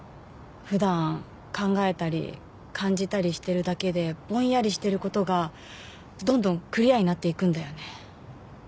ふだん考えたり感じたりしてるだけでぼんやりしてることがどんどんクリアになっていくんだよね